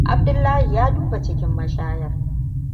Abdullahi ya duba cikin mashayar.